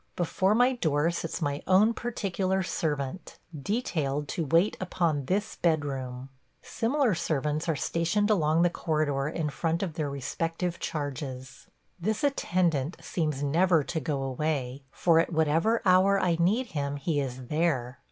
Before my door sits my own particular servant, detailed to wait upon this bedroom. Similar servants are stationed along the corridor in front of their respective charges. This attendant seems never to go away, for at whatever hour I need him he is there.